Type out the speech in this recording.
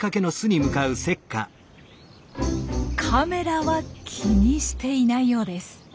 カメラは気にしていないようです。